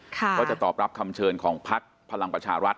ก็จะตอบรับคำเชิญของพักพลังประชารัฐ